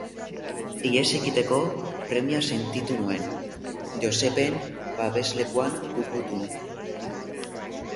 Ihes egiteko premia sentitu nuen, Josepen babeslekuan kukutu.